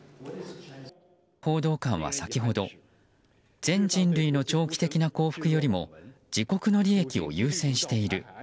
報道官は先ほど全人類の長期的な幸福よりも自国の利益を優先している。